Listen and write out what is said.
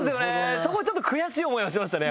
そこはちょっと悔しい思いはしましたね